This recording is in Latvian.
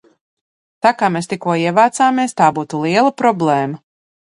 Tā kā mēs tikko ievācāmies, tā būtu liela problēma!